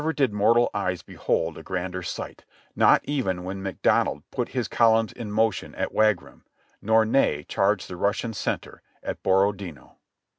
Never did mortal eyes behold a grander sight; not even when McDonald put his columns in motion at W^agram or Ney charged the Russian center at Borodino.